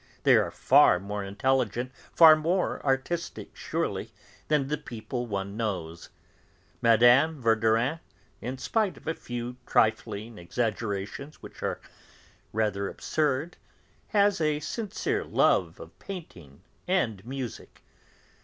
They are far more intelligent, far more artistic, surely, than the people one knows. Mme. Verdurin, in spite of a few trifling exaggerations which are rather absurd, has a sincere love of painting and music!